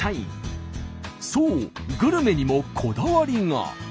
そうグルメにもこだわりが。